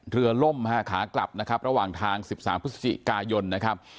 ล่มฮะขากลับนะครับระหว่างทาง๑๓พฤศจิกายนนะครับ